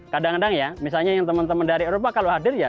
kadang kadang ya misalnya yang teman teman dari eropa kalau hadir ya